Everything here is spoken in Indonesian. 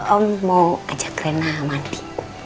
om mau ajak rena mati